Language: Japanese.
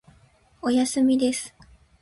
おやすみです。